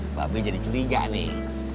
mbak abe jadi curiga nih